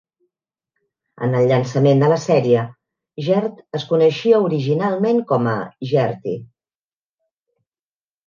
En el llançament de la sèrie, Gert es coneixia originalment com a Gertie.